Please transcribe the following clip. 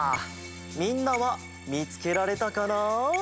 みんなはみつけられたかな？